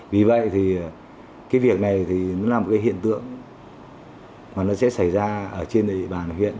vì vậy thì cái việc này thì nó là một cái hiện tượng mà nó sẽ xảy ra ở trên đề bàn huyện